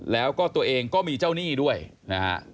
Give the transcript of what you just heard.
แล้วก็ตัวเองก็มีเจ้าหนี้ด้วยนะฮะ